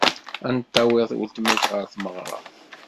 Ad d-tawyed weltma-k ɣer tmeɣra.